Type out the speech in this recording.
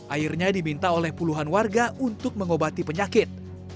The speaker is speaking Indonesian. airnya diminta oleh puluhan warga untuk mengobati penyakit